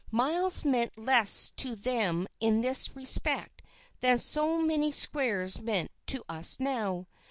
Miles meant less to them in this respect than so many squares mean to us now.